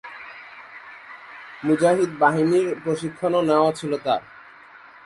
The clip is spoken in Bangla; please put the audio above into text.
মুজাহিদ বাহিনীর প্রশিক্ষণও নেওয়া ছিল তার।